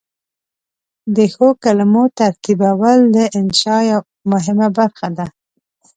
د ښو کلمو ترتیبول د انشأ مهمه برخه ده.